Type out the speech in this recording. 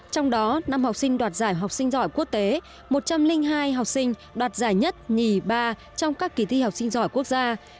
trong đó năm học sinh đoạt giải học sinh giỏi quốc tế một trăm linh hai học sinh đoạt giải nhất nhì ba trong các kỳ thi học sinh giỏi quốc gia